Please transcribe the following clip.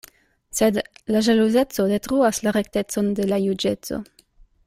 Sed la ĵaluzeco detruas la rektecon de la juĝeco.